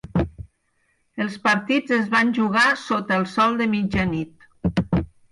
Els partits es van jugar sota el sol de mitjanit.